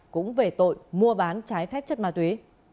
cũng về tội mua bán trái phép chất ma túy